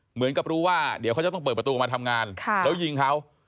เหมือนกับรู้ว่าเดี๋ยวเขาจะต้องเปิดประตูออกมาทำงานแล้วยิงเขา